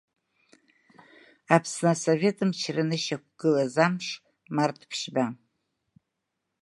Аԥсны Асовет мчра анышьақәгылаз амш Март ԥшьба.